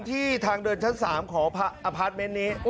ทางเดินชั้น๓ของอพาร์ทเมนต์นี้